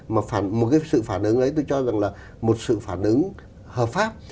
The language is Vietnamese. mà một cái sự phản ứng ấy tôi cho rằng là một sự phản ứng hợp pháp